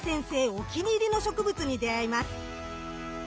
お気に入りの植物に出会います。